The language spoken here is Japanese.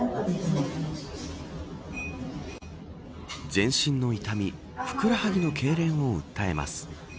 全身の痛みふくらはぎのけいれんを訴えます。